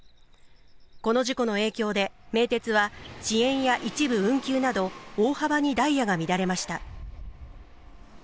この事故の影響で名鉄は遅延や一部運休など、大幅にダイヤが乱れました。